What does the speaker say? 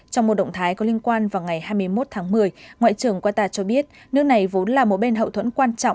trong một động thái có liên quan vào ngày hai mươi một tháng một mươi ngoại trưởng qatar cho biết nước này vốn là một bên hậu thuẫn quan trọng